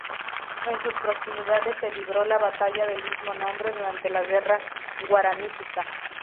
En sus proximidades se libró la batalla del mismo nombre durante la Guerra Guaranítica.